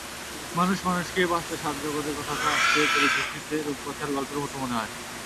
মানুষ মানুষকে বাঁচতে সাহায্য করে, কথাটা আজকের পরিপ্রেক্ষিতে রূপকথার গল্পের মতো মনে হয়।